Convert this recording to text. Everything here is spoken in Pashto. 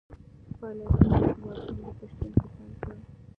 فعالیتونه یې د واکمنو په شتون کې پیل کړل.